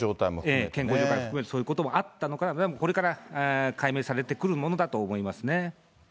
健康状態含めて、そういうこともあったのかも、これから解明されてくるものだと思いますね。